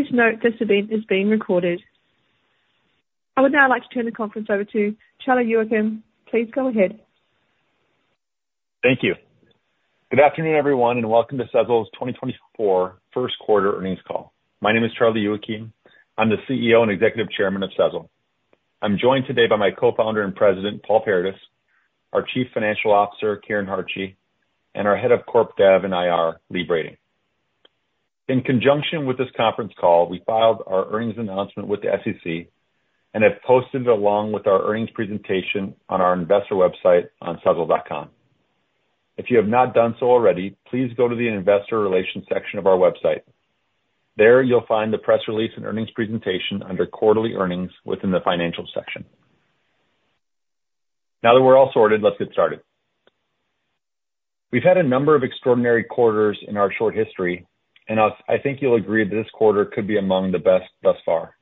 Please note this event is being recorded. I would now like to turn the conference over to Charlie Youakim. Please go ahead. Thank you. Good afternoon, everyone, and welcome to Sezzle's 2024 Q1 earnings call. My name is Charlie Youakim. I'm the CEO and Executive Chairman of Sezzle. I'm joined today by my co-founder and president, Paul Paradis, our Chief Financial Officer, Karen Hartje, and our Head of Corp Dev and IR, Lee Brading. In conjunction with this conference call, we filed our earnings announcement with the SEC and have posted it along with our earnings presentation on our investor website on sezzle.com. If you have not done so already, please go to the Investor Relations section of our website. There you'll find the press release and earnings presentation under Quarterly Earnings within the Financials section. Now that we're all sorted, let's get started. We've had a number of extraordinary quarters in our short history, and I think you'll agree that this quarter could be among the best thus far.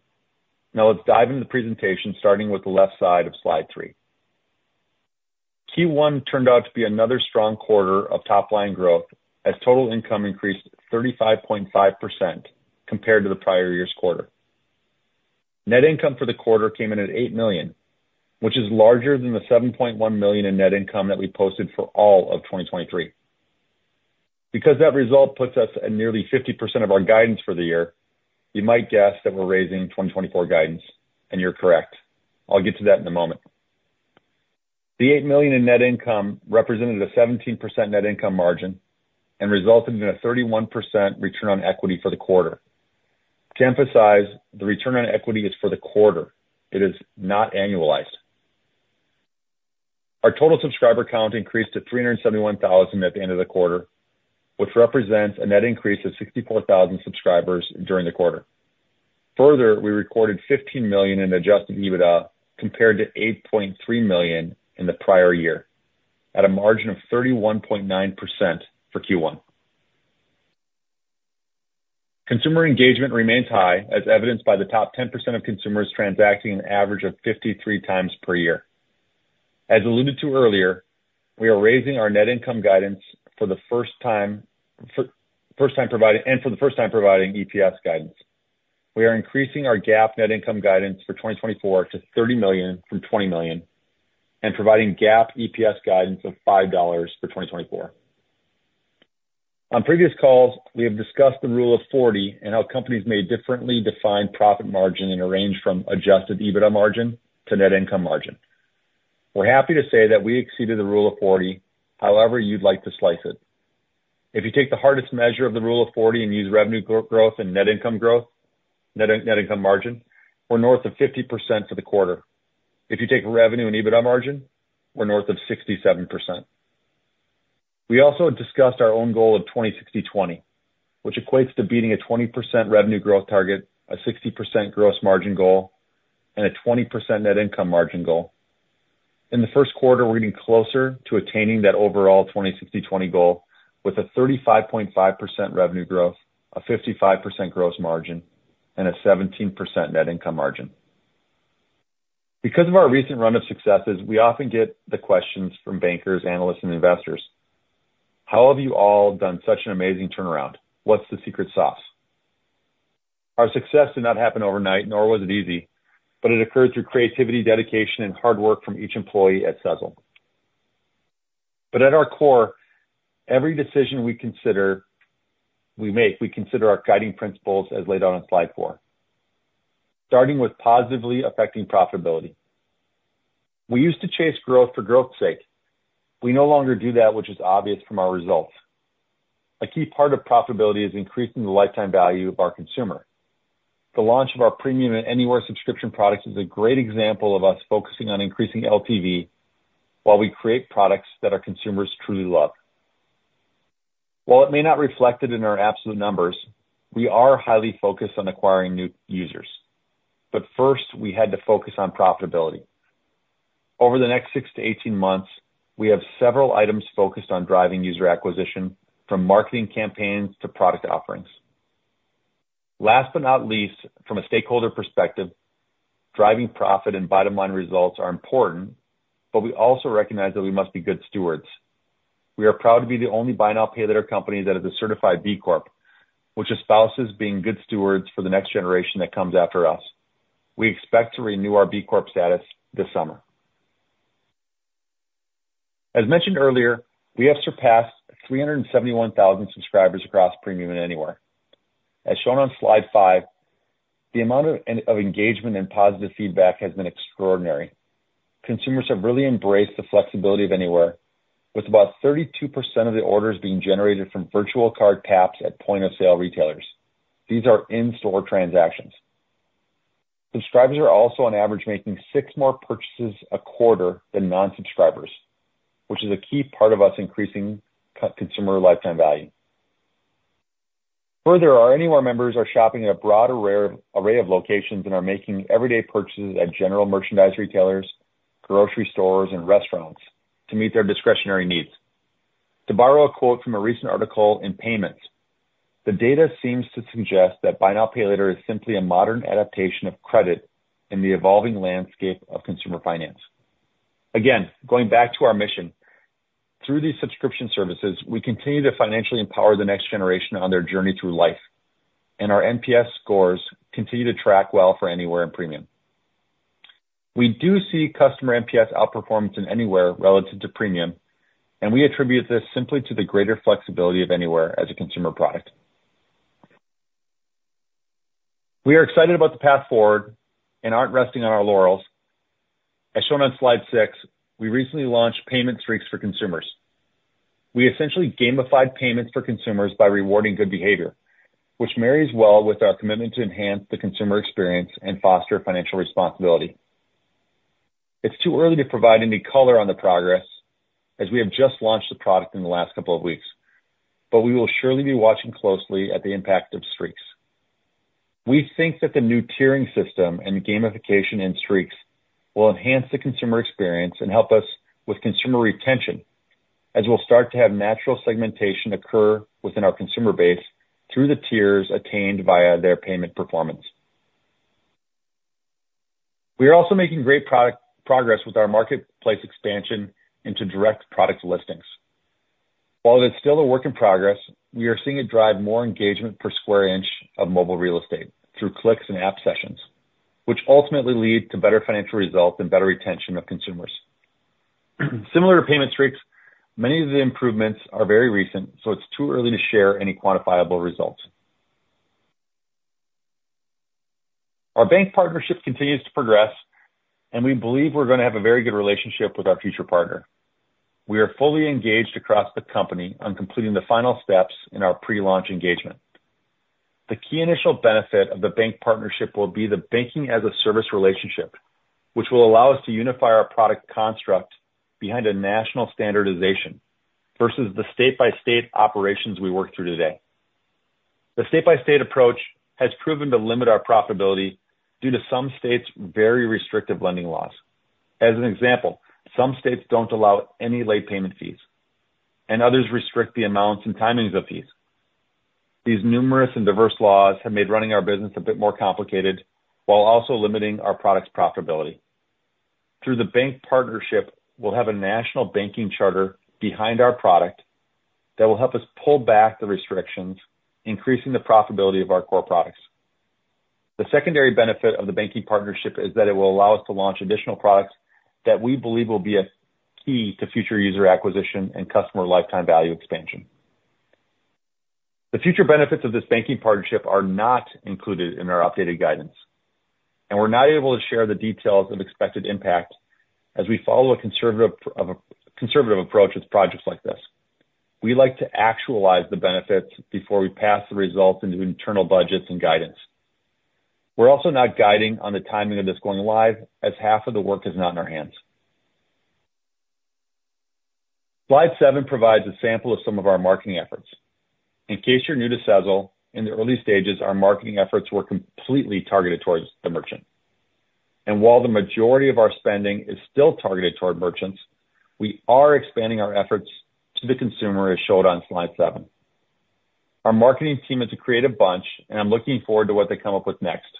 Now let's dive into the presentation, starting with the left side of slide 3. Q1 turned out to be another strong quarter of top-line growth as total income increased 35.5% compared to the prior year's quarter. Net income for the quarter came in at $8 million, which is larger than the $7.1 million in net income that we posted for all of 2023. Because that result puts us at nearly 50% of our guidance for the year, you might guess that we're raising 2024 guidance, and you're correct. I'll get to that in a moment. The $8 million in net income represented a 17% net income margin and resulted in a 31% return on equity for the quarter. To emphasize, the return on equity is for the quarter. It is not annualized. Our total subscriber count increased to 371,000 at the end of the quarter, which represents a net increase of 64,000 subscribers during the quarter. Further, we recorded $15 million in adjusted EBITDA compared to $8.3 million in the prior year, at a margin of 31.9% for Q1. Consumer engagement remains high, as evidenced by the top 10% of consumers transacting an average of 53 times per year. As alluded to earlier, we are raising our net income guidance for the first time and for the first time providing EPS guidance. We are increasing our GAAP net income guidance for 2024 to $30 million from $20 million and providing GAAP EPS guidance of $5 for 2024. On previous calls, we have discussed the Rule of 40 and how companies may differently define profit margin in a range from adjusted EBITDA margin to net income margin. We're happy to say that we exceeded the Rule of 40, however you'd like to slice it. If you take the hardest measure of the Rule of 40 and use revenue growth and net income growth, net income margin, we're north of 50% for the quarter. If you take revenue and EBITDA margin, we're north of 67%. We also discussed our own goal of 20/60/20, which equates to beating a 20% revenue growth target, a 60% gross margin goal, and a 20% net income margin goal. In the Q1, we're getting closer to attaining that overall 20/60/20 goal with a 35.5% revenue growth, a 55% gross margin, and a 17% net income margin. Because of our recent run of successes, we often get the questions from bankers, analysts, and investors, "How have you all done such an amazing turnaround? What's the secret sauce?" Our success did not happen overnight, nor was it easy, but it occurred through creativity, dedication, and hard work from each employee at Sezzle. But at our core, every decision we make, we consider our guiding principles as laid out on slide 4, starting with positively affecting profitability. We used to chase growth for growth's sake. We no longer do that, which is obvious from our results. A key part of profitability is increasing the lifetime value of our consumer. The launch of our Premium and Anywhere subscription products is a great example of us focusing on increasing LTV while we create products that our consumers truly love. While it may not reflect it in our absolute numbers, we are highly focused on acquiring new users. But first, we had to focus on profitability. Over the next 6-18 months, we have several items focused on driving user acquisition, from marketing campaigns to product offerings. Last but not least, from a stakeholder perspective, driving profit and bottom-line results are important, but we also recognize that we must be good stewards. We are proud to be the only buy now, pay later company that is a certified B Corp, which espouses being good stewards for the next generation that comes after us. We expect to renew our B Corp status this summer. As mentioned earlier, we have surpassed 371,000 subscribers across Premium and Anywhere. As shown on slide 5, the amount of engagement and positive feedback has been extraordinary. Consumers have really embraced the flexibility of Anywhere, with about 32% of the orders being generated from virtual card taps at point-of-sale retailers. These are in-store transactions. Subscribers are also, on average, making 6 more purchases a quarter than non-subscribers, which is a key part of us increasing consumer lifetime value. Further, our Anywhere members are shopping at a broad array of locations and are making everyday purchases at general merchandise retailers, grocery stores, and restaurants to meet their discretionary needs. To borrow a quote from a recent article in PYMNTS, "The data seems to suggest that buy now, pay later is simply a modern adaptation of credit in the evolving landscape of consumer finance." Again, going back to our mission, through these subscription services, we continue to financially empower the next generation on their journey through life, and our NPS scores continue to track well for Anywhere and Premium. We do see customer NPS outperformance in Anywhere relative to Premium, and we attribute this simply to the greater flexibility of Anywhere as a consumer product. We are excited about the path forward and aren't resting on our laurels. As shown on slide 6, we recently launched Payment Streaks for consumers. We essentially gamified payments for consumers by rewarding good behavior, which marries well with our commitment to enhance the consumer experience and foster financial responsibility. It's too early to provide any color on the progress, as we have just launched the product in the last couple of weeks, but we will surely be watching closely at the impact of Streaks. We think that the new tiering system and gamification in Streaks will enhance the consumer experience and help us with consumer retention, as we'll start to have natural segmentation occur within our consumer base through the tiers attained via their payment performance. We are also making great progress with our marketplace expansion into direct product listings. While it is still a work in progress, we are seeing it drive more engagement per square inch of mobile real estate through clicks and app sessions, which ultimately lead to better financial results and better retention of consumers. Similar to Payment Streaks, many of the improvements are very recent, so it's too early to share any quantifiable results. Our bank partnership continues to progress, and we believe we're going to have a very good relationship with our future partner. We are fully engaged across the company on completing the final steps in our pre-launch engagement. The key initial benefit of the bank partnership will be the banking-as-a-service relationship, which will allow us to unify our product construct behind a national standardization versus the state-by-state operations we work through today. The state-by-state approach has proven to limit our profitability due to some states' very restrictive lending laws. As an example, some states don't allow any late payment fees, and others restrict the amounts and timings of fees. These numerous and diverse laws have made running our business a bit more complicated while also limiting our product's profitability. Through the bank partnership, we'll have a national banking charter behind our product that will help us pull back the restrictions, increasing the profitability of our core products. The secondary benefit of the banking partnership is that it will allow us to launch additional products that we believe will be key to future user acquisition and customer lifetime value expansion. The future benefits of this banking partnership are not included in our updated guidance, and we're not able to share the details of expected impact as we follow a conservative approach with projects like this. We like to actualize the benefits before we pass the results into internal budgets and guidance. We're also not guiding on the timing of this going live, as half of the work is not in our hands. Slide 7 provides a sample of some of our marketing efforts. In case you're new to Sezzle, in the early stages, our marketing efforts were completely targeted towards the merchant. And while the majority of our spending is still targeted toward merchants, we are expanding our efforts to the consumer, as shown on slide 7. Our marketing team is a creative bunch, and I'm looking forward to what they come up with next.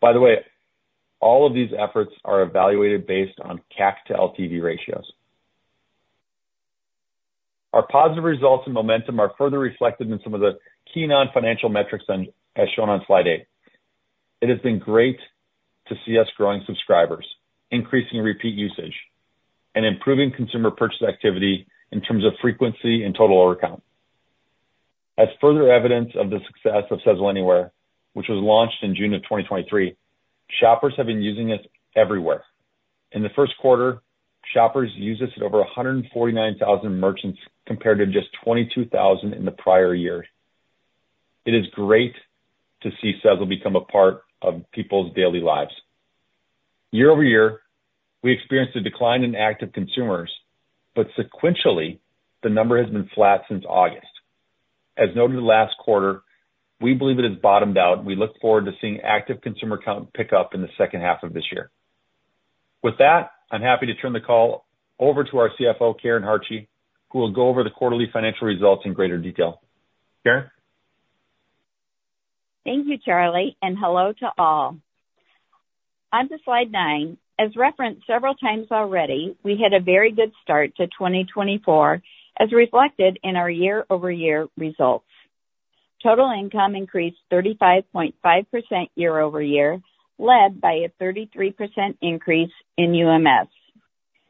By the way, all of these efforts are evaluated based on CAC to LTV ratios. Our positive results and momentum are further reflected in some of the key non-financial metrics, as shown on slide 8. It has been great to see us growing subscribers, increasing repeat usage, and improving consumer purchase activity in terms of frequency and total order count. As further evidence of the success of Sezzle Anywhere, which was launched in June of 2023, shoppers have been using us everywhere. In the Q1, shoppers used us at over 149,000 merchants compared to just 22,000 in the prior year. It is great to see Sezzle become a part of people's daily lives. Year-over-year, we experienced a decline in active consumers, but sequentially, the number has been flat since August. As noted last quarter, we believe it has bottomed out, and we look forward to seeing active consumer count pick up in the H2 of this year. With that, I'm happy to turn the call over to our CFO, Karen Hartje, who will go over the quarterly financial results in greater detail. Karen? Thank you, Charlie, and hello to all. Onto slide 9. As referenced several times already, we had a very good start to 2024, as reflected in our year-over-year results. Total income increased 35.5% year-over-year, led by a 33% increase in UMS.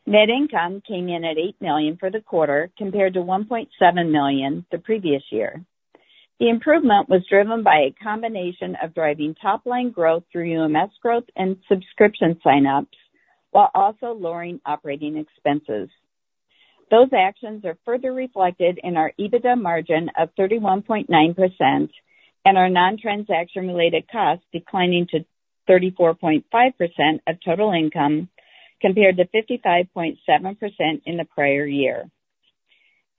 Net income came in at $8 million for the quarter compared to $1.7 million the previous year. The improvement was driven by a combination of driving top-line growth through UMS growth and subscription signups while also lowering operating expenses. Those actions are further reflected in our EBITDA margin of 31.9% and our non-transaction-related costs declining to 34.5% of total income compared to 55.7% in the prior year.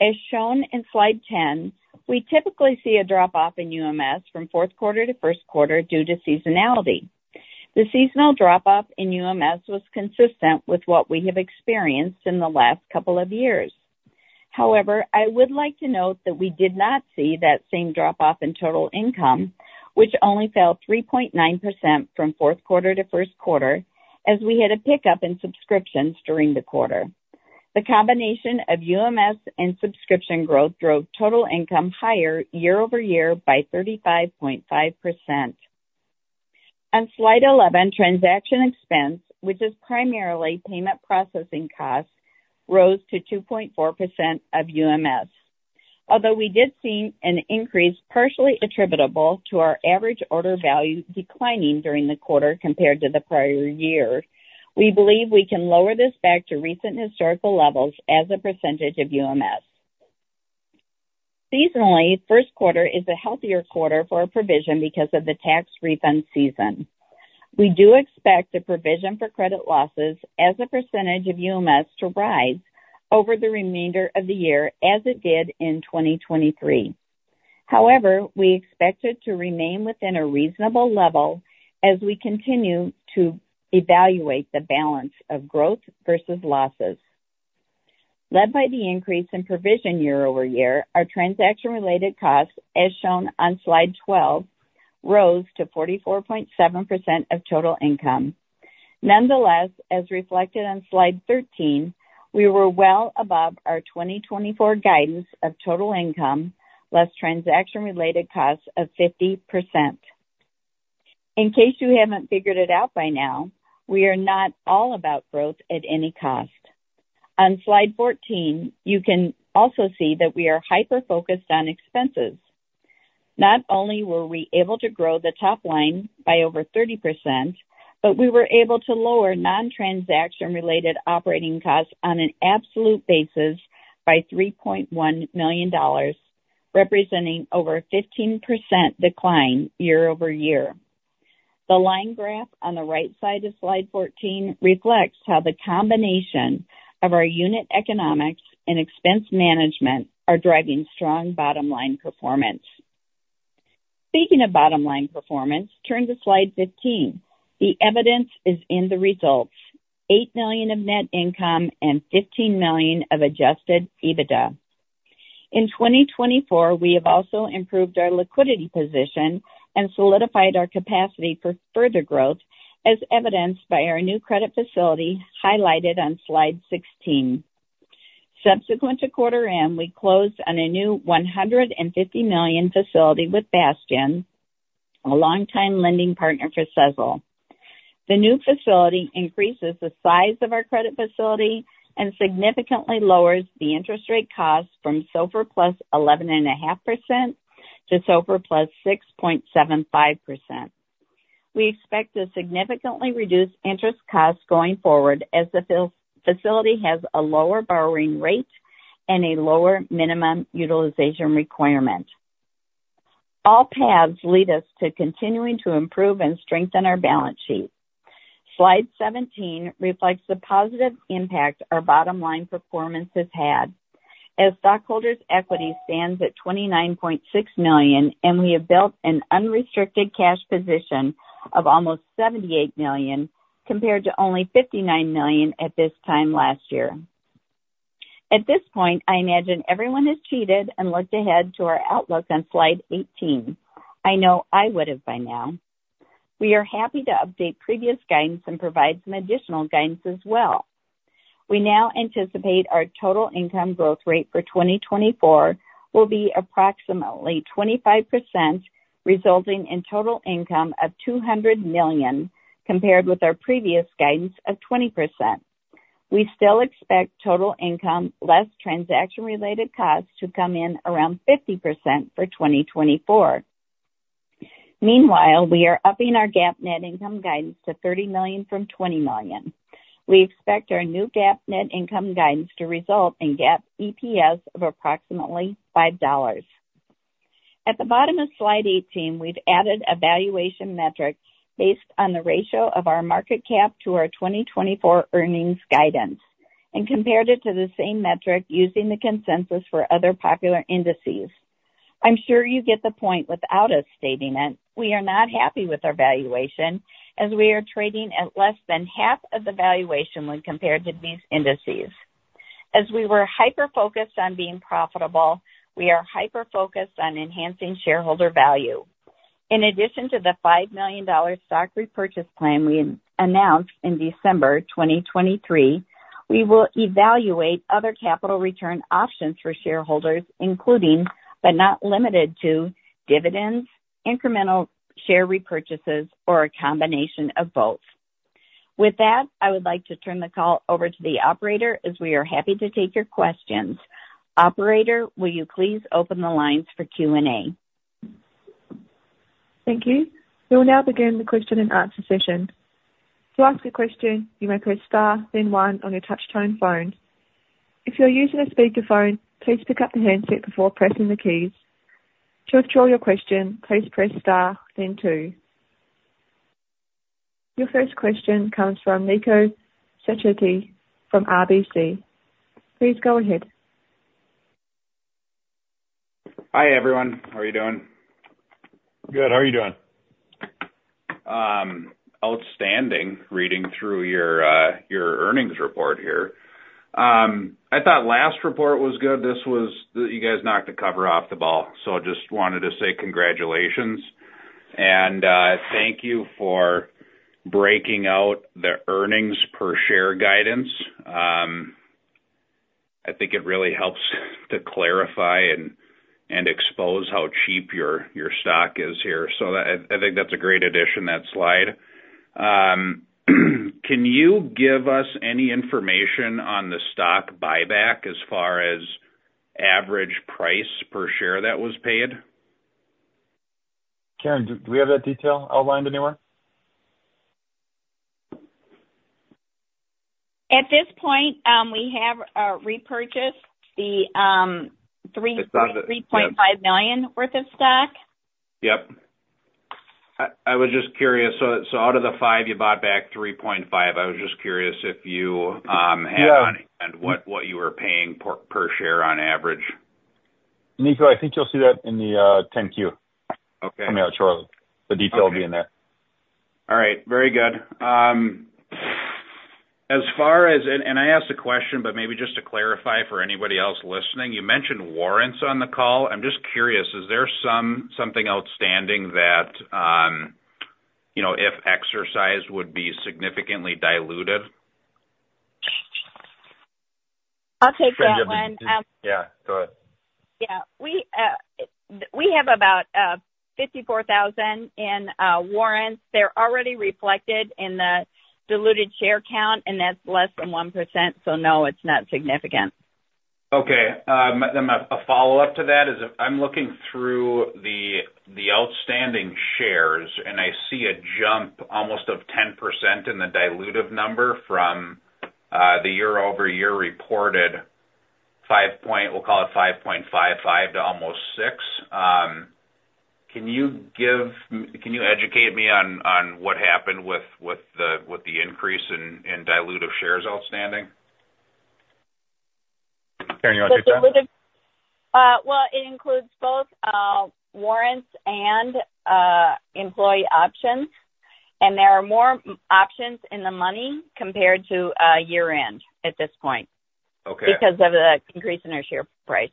As shown in slide 10, we typically see a drop-off in UMS from Q4 to Q1 due to seasonality. The seasonal drop-off in UMS was consistent with what we have experienced in the last couple of years. However, I would like to note that we did not see that same drop-off in total income, which only fell 3.9% from Q4 to Q1, as we had a pickup in subscriptions during the quarter. The combination of UMS and subscription growth drove total income higher year-over-year by 35.5%. On slide 11, transaction expense, which is primarily payment processing costs, rose to 2.4% of UMS. Although we did see an increase partially attributable to our average order value declining during the quarter compared to the prior year, we believe we can lower this back to recent historical levels as a percentage of UMS. Seasonally, Q1 is a healthier quarter for our provision because of the tax refund season. We do expect the provision for credit losses as a percentage of UMS to rise over the remainder of the year as it did in 2023. However, we expect it to remain within a reasonable level as we continue to evaluate the balance of growth versus losses. Led by the increase in provision year-over-year, our transaction-related costs, as shown on slide 12, rose to 44.7% of total income. Nonetheless, as reflected on slide 13, we were well above our 2024 guidance of total income, less transaction-related costs of 50%. In case you haven't figured it out by now, we are not all about growth at any cost. On slide 14, you can also see that we are hyper-focused on expenses. Not only were we able to grow the top line by over 30%, but we were able to lower non-transaction-related operating costs on an absolute basis by $3.1 million, representing over a 15% decline year-over-year. The line graph on the right side of slide 14 reflects how the combination of our unit economics and expense management are driving strong bottom-line performance. Speaking of bottom-line performance, turn to slide 15. The evidence is in the results: $8 million of net income and $15 million of adjusted EBITDA. In 2024, we have also improved our liquidity position and solidified our capacity for further growth, as evidenced by our new credit facility highlighted on slide 16. Subsequent to quarter end, we closed on a new $150 million facility with Bastion, a longtime lending partner for Sezzle. The new facility increases the size of our credit facility and significantly lowers the interest rate costs from SOFR plus 11.5% to SOFR plus 6.75%. We expect to significantly reduce interest costs going forward as the facility has a lower borrowing rate and a lower minimum utilization requirement. All paths lead us to continuing to improve and strengthen our balance sheet. Slide 17 reflects the positive impact our bottom-line performance has had. As stockholders' equity stands at $29.6 million, and we have built an unrestricted cash position of almost $78 million compared to only $59 million at this time last year. At this point, I imagine everyone has cheated and looked ahead to our outlook on slide 18. I know I would have by now. We are happy to update previous guidance and provide some additional guidance as well. We now anticipate our total income growth rate for 2024 will be approximately 25%, resulting in total income of $200 million compared with our previous guidance of 20%. We still expect total income, less transaction-related costs, to come in around 50% for 2024. Meanwhile, we are upping our GAAP net income guidance to $30 million from $20 million. We expect our new GAAP net income guidance to result in GAAP EPS of approximately $5. At the bottom of slide 18, we've added valuation metrics based on the ratio of our market cap to our 2024 earnings guidance and compared it to the same metric using the consensus for other popular indices. I'm sure you get the point without us stating it. We are not happy with our valuation, as we are trading at less than half of the valuation when compared to these indices. As we were hyper-focused on being profitable, we are hyper-focused on enhancing shareholder value. In addition to the $5 million stock repurchase plan we announced in December 2023, we will evaluate other capital return options for shareholders, including but not limited to dividends, incremental share repurchases, or a combination of both. With that, I would like to turn the call over to the operator, as we are happy to take your questions. Operator, will you please open the lines for Q&A? Thank you. We will now begin the question and answer session. To ask a question, you may press *, then 1, on your touch-tone phone. If you're using a speakerphone, please pick up the handset before pressing the keys. To withdraw your question, please press *, then 2. Your first question comes from Nico Sacchetti from RBC. Please go ahead. Hi, everyone. How are you doing? Good. How are you doing? Outstanding. Reading through your earnings report here. I thought last report was good. You guys knocked the cover off the ball, so I just wanted to say congratulations. And thank you for breaking out the earnings per share guidance. I think it really helps to clarify and expose how cheap your stock is here. So I think that's a great addition, that slide. Can you give us any information on the stock buyback as far as average price per share that was paid? Karen, do we have that detail outlined anywhere? At this point, we have repurchased $3.5 million worth of stock. Yep. I was just curious. So out of the $5 million, you bought back $3.5 million. I was just curious if you had on hand what you were paying per share on average. Nico, I think you'll see that in the 10-Q coming out shortly. The detail will be in there. All right. Very good. As far as, and I asked a question, but maybe just to clarify for anybody else listening. You mentioned warrants on the call. I'm just curious, is there something outstanding that if exercised would be significantly diluted? I'll take that one. Yeah. Go ahead. Yeah. We have about 54,000 in warrants. They're already reflected in the diluted share count, and that's less than 1%. So no, it's not significant. Okay. Then a follow-up to that is I'm looking through the outstanding shares, and I see a jump almost of 10% in the dilutive number from the year-over-year reported 5.5, we'll call it 5.55 to almost 6. Can you educate me on what happened with the increase in dilutive shares outstanding? Karen, you want to take that? Well, it includes both warrants and employee options. And there are more options in the money compared to year-end at this point because of the increase in our share price.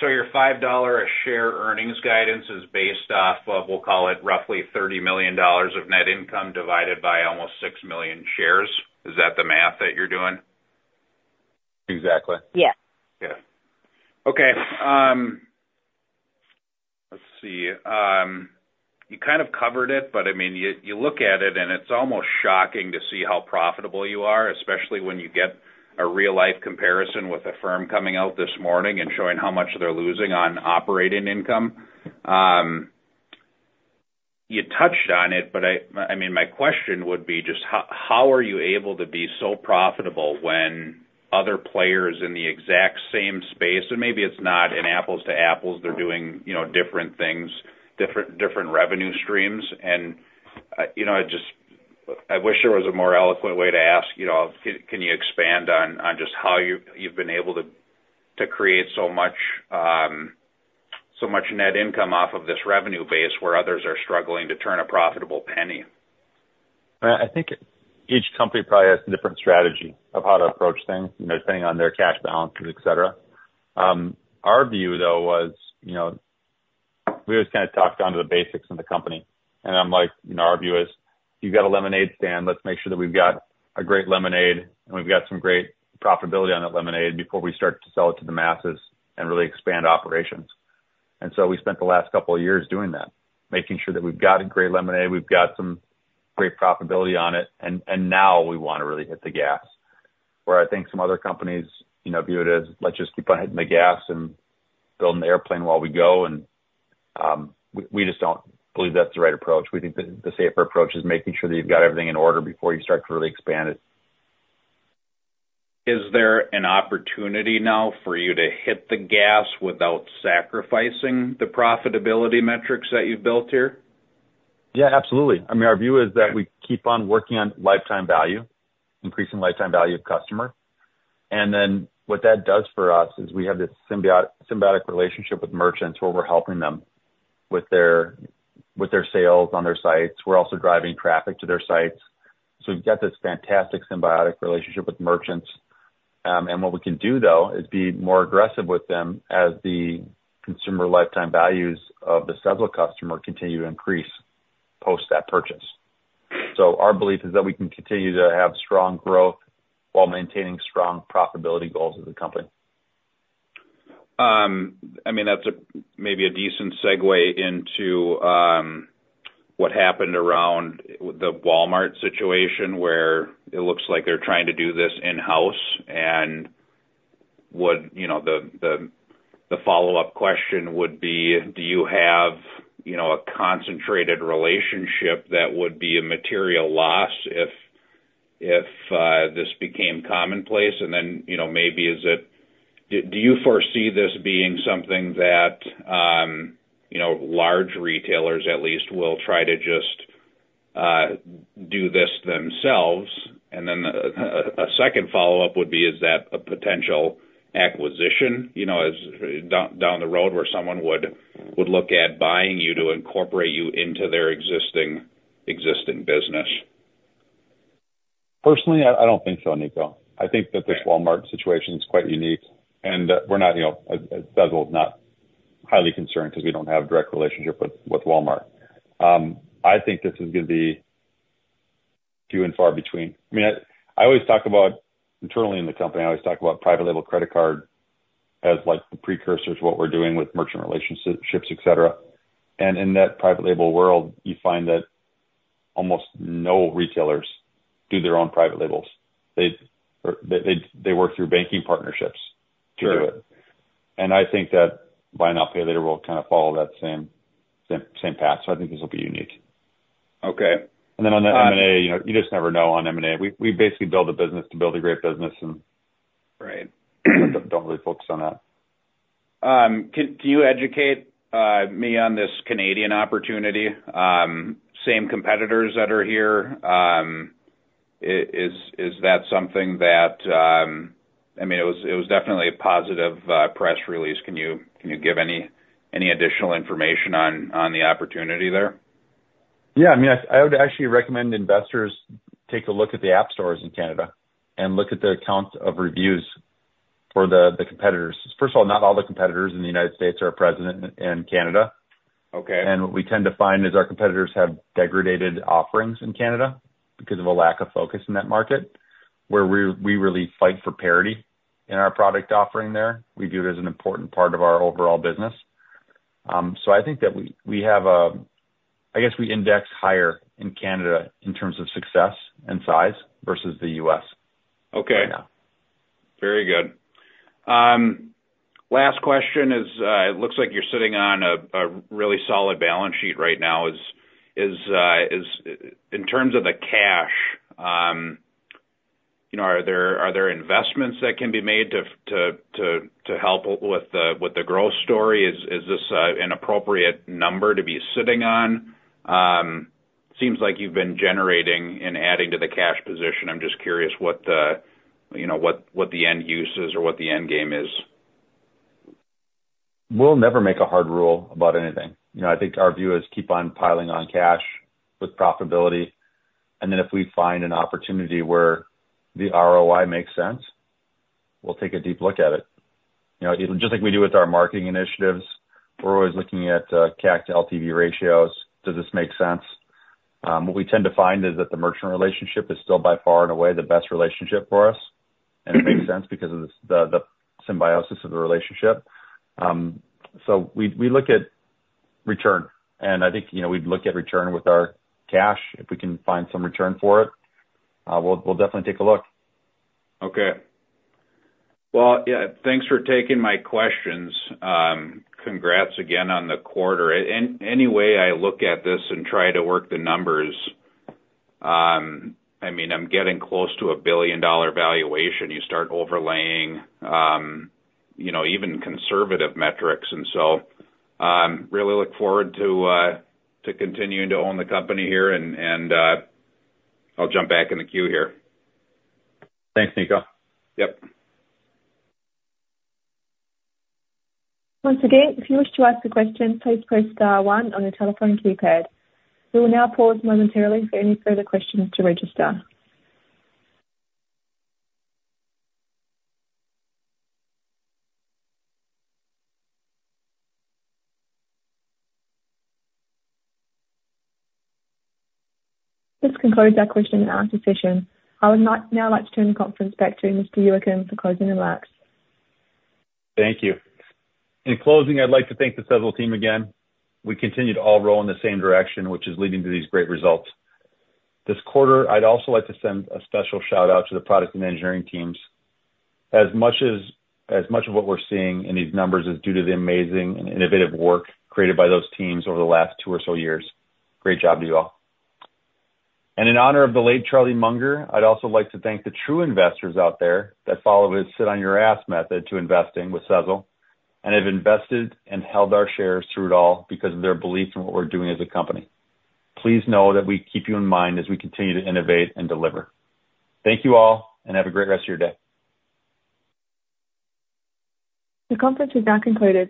So your $5 a share earnings guidance is based off of, we'll call it, roughly $30 million of net income divided by almost 6 million shares. Is that the math that you're doing? Exactly. Yes. Okay. Let's see. You kind of covered it, but I mean, you look at it, and it's almost shocking to see how profitable you are, especially when you get a real-life comparison with Affirm coming out this morning and showing how much they're losing on operating income. You touched on it, but I mean, my question would be just how are you able to be so profitable when other players in the exact same space and maybe it's not an apples to apples. They're doing different things, different revenue streams. And I wish there was a more eloquent way to ask. Can you expand on just how you've been able to create so much net income off of this revenue base where others are struggling to turn a profitable penny? I think each company probably has a different strategy of how to approach things depending on their cash balances, etc. Our view, though, was we always kind of talked down to the basics in the company. And I'm like, "Our view is, if you've got a lemonade stand, let's make sure that we've got a great lemonade, and we've got some great profitability on that lemonade before we start to sell it to the masses and really expand operations." And so we spent the last couple of years doing that, making sure that we've got a great lemonade. We've got some great profitability on it. Now we want to really hit the gas, where I think some other companies view it as, "Let's just keep on hitting the gas and building the airplane while we go." And we just don't believe that's the right approach. We think that the safer approach is making sure that you've got everything in order before you start to really expand it. Is there an opportunity now for you to hit the gas without sacrificing the profitability metrics that you've built here? Yeah, absolutely. I mean, our view is that we keep on working on lifetime value, increasing lifetime value of customer. And then what that does for us is we have this symbiotic relationship with merchants where we're helping them with their sales on their sites. We're also driving traffic to their sites. So we've got this fantastic symbiotic relationship with merchants. What we can do, though, is be more aggressive with them as the consumer lifetime values of the Sezzle customer continue to increase post that purchase. So our belief is that we can continue to have strong growth while maintaining strong profitability goals of the company. I mean, that's maybe a decent segue into what happened around the Walmart situation where it looks like they're trying to do this in-house. And the follow-up question would be, do you have a concentrated relationship that would be a material loss if this became commonplace? And then maybe is it do you foresee this being something that large retailers, at least, will try to just do this themselves? And then a second follow-up would be, is that a potential acquisition down the road where someone would look at buying you to incorporate you into their existing business? Personally, I don't think so, Nico. I think that this Walmart situation is quite unique. And we're not. Sezzle is not highly concerned because we don't have a direct relationship with Walmart. I think this is going to be few and far between. I mean, I always talk about internally in the company, I always talk about private label credit card as the precursor to what we're doing with merchant relationships, etc. And in that private label world, you find that almost no retailers do their own private labels. They work through banking partnerships to do it. And I think that buy now, pay later will kind of follow that same path. So I think this will be unique. And then on the M&A, you just never know on M&A. We basically build a business to build a great business and don't really focus on that. Can you educate me on this Canadian opportunity? Same competitors that are here. Is that something that I mean, it was definitely a positive press release. Can you give any additional information on the opportunity there? Yeah. I mean, I would actually recommend investors take a look at the app stores in Canada and look at the count of reviews for the competitors. First of all, not all the competitors in the United States are present in Canada. And what we tend to find is our competitors have degraded offerings in Canada because of a lack of focus in that market, where we really fight for parity in our product offering there. We view it as an important part of our overall business. So I think that we have a I guess we index higher in Canada in terms of success and size versus the US. Okay. Very good. Last question is it looks like you're sitting on a really solid balance sheet right now. In terms of the cash, are there investments that can be made to help with the growth story? Is this an appropriate number to be sitting on? Seems like you've been generating and adding to the cash position. I'm just curious what the end use is or what the end game is. We'll never make a hard rule about anything. I think our view is keep on piling on cash with profitability. And then if we find an opportunity where the ROI makes sense, we'll take a deep look at it. Just like we do with our marketing initiatives, we're always looking at CAC to LTV ratios. Does this make sense? What we tend to find is that the merchant relationship is still, by far and away, the best relationship for us. And it makes sense because of the symbiosis of the relationship. So we look at return. And I think we'd look at return with our cash. If we can find some return for it, we'll definitely take a look. Okay. Well, yeah, thanks for taking my questions. Congrats again on the quarter. Any way I look at this and try to work the numbers, I mean, I'm getting close to a billion-dollar valuation. You start overlaying even conservative metrics. And so really look forward to continuing to own the company here. And I'll jump back in the queue here. Thanks, Nico. Yep. Once again, if you wish to ask a question, please press * 1 on your telephone keypad. We will now pause momentarily for any further questions to register. This concludes our question and answer session. I would now like to turn the conference back to Mr. Youakim for closing remarks. Thank you. In closing, I'd like to thank the Sezzle team again. We continue to all roll in the same direction, which is leading to these great results. This quarter, I'd also like to send a special shout-out to the product and engineering teams. As much of what we're seeing in these numbers is due to the amazing and innovative work created by those teams over the last 2 or so years. Great job to you all. In honor of the late Charlie Munger, I'd also like to thank the true investors out there that follow his sit-on-your-ass method to investing with Sezzle and have invested and held our shares through it all because of their belief in what we're doing as a company. Please know that we keep you in mind as we continue to innovate and deliver. Thank you all, and have a great rest of your day. The conference is now concluded.